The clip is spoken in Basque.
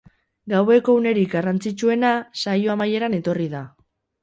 Gaueko unerik garrantzitsuena saio amaieran etorri da.